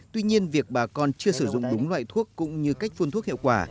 tuy nhiên việc bà con chưa sử dụng đúng loại thuốc cũng như cách phun thuốc hiệu quả